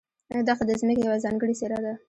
دښته د ځمکې یوه ځانګړې څېره ده.